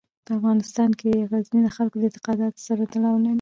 په افغانستان کې غزني د خلکو د اعتقاداتو سره تړاو لري.